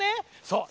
そう。